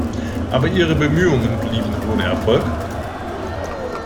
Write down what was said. Aber ihre Bemühungen blieben ohne Erfolg.